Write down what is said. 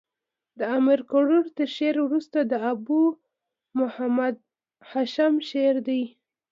د امیر کروړ تر شعر وروسته د ابو محمد هاشم شعر دﺉ.